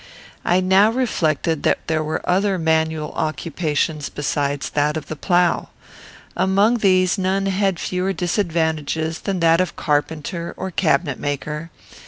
I now reflected that there were other manual occupations besides that of the plough. Among these none had fewer disadvantages than that of carpenter or cabinet maker.